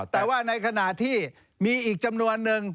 แต่ว่าในขณะที่มีอีกจำนวนนึง